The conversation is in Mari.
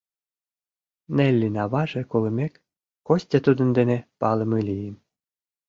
Неллин аваже колымек, Костя тудын дене палыме лийын.